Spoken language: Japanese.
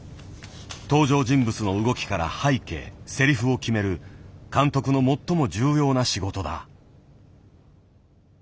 登場人物の動きから背景セリフを決める監督の最も重要な仕事だ。